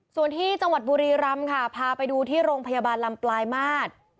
ส่วนที่จังหวัดบุรีรำค่ะพาไปดูที่โรงพยาบาลลำปลายมาตร